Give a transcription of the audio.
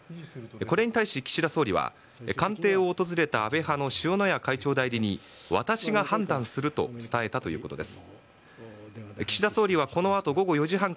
これに対し、岸田総理は官邸を訪れた安倍派の塩谷会長代理に私が判断すると伝えたということです。